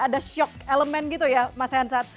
ada shock elemen gitu ya mas hensat